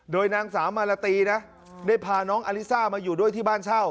โดยนางสาวมาลาตีนะได้พาน้องอลิซ่ามาอยู่ด้วยที่บ้านเช่า